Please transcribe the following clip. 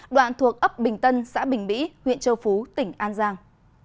đoạn thuộc ấp bình tân xã bình mỹ huyện châu phú tỉnh an giang